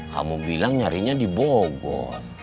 kamu bilang nyarinya di bogor